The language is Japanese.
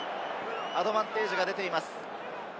アドバンテージが出ています。